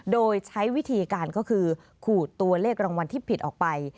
โดยใช้วิธีการก็คือขูดตัวเลขรางวัลที่ผิดออกไป